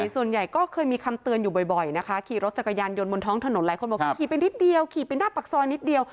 ส่วนใหญ่ก็เคยมีคำเตือนอยู่บ่อยนะคะขี่รถจักรยานยนต์บนท้องถนนหลายคนบอกขี่ไปนิดเดียวขี่ไปหน้าปากซอยนิดเดียว